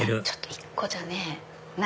１個じゃね。